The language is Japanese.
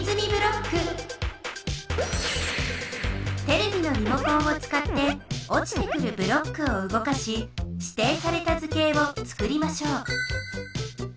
テレビのリモコンを使っておちてくるブロックをうごかししていされた図形をつくりましょう。